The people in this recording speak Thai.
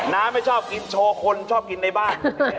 น้ำไม่ชอบกินโชว์คนชอบกินในบ้าน